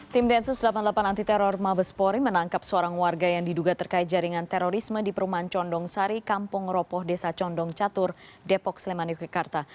tim densus delapan puluh delapan anti teror mabespori menangkap seorang warga yang diduga terkait jaringan terorisme di perumahan condong sari kampung ropoh desa condong catur depok sleman yogyakarta